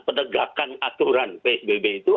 penegakan aturan psbb itu